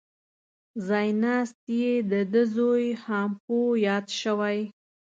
ځای ناست یې دده زوی هامپو یاد شوی.